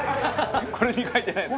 これに書いてないです。